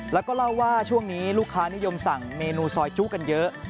แล้วก็เล่าว่าช่วงนี้ลูกค้านิยมสั่งเมนูซอยจุันเยอะ